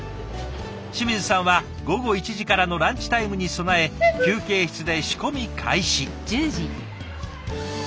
清水さんは午後１時からのランチタイムに備え休憩室で仕込み開始。